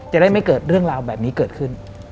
จะได้ไม่เกิดเรื่องราวแบบนี้เกิดขึ้น